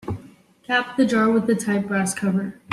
Cap the jar with a tight brass cover.